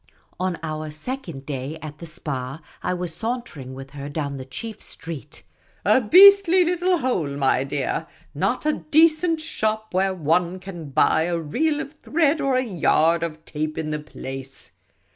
On our second day at the Spa, I was sauntering with her down the chief street —'' a beastly little hole, my dear ; not a decent shop where one can buy a reel of thread or a yard of tape in the place